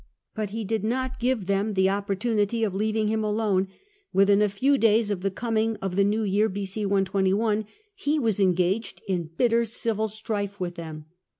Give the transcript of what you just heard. But he did not give them the opportunity of leaving him alone ; within a few days of the coming of the new year, B.o. 121, he was engaged in bitter civil strife with them.